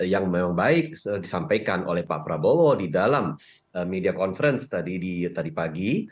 yang memang baik disampaikan oleh pak prabowo di dalam media conference tadi pagi